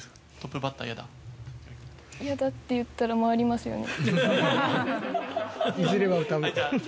嫌だって言ったら回りますよね。